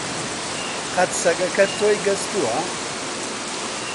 قەت سەگەکەت تۆی گەستووە؟